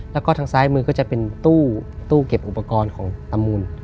แล้วก็ทางซ้ายมือก็จะเป็นตู้เก็บอุปกรณ์ของอมูล